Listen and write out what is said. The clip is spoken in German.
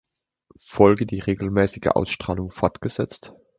Folge die regelmäßige Ausstrahlung fortgesetzt.